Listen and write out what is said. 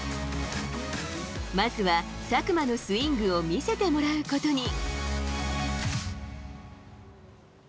まずは佐久間のスイングを見せてもらうことに。